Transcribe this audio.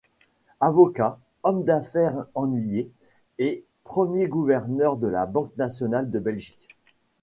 Avocat, homme d’affaires hennuyer et premier gouverneur de la Banque nationale de Belgique.